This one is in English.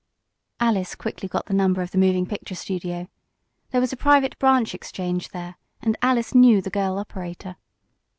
Alice quickly got the number of the moving picture studio. There was a private branch exchange there, and Alice knew the girl operator.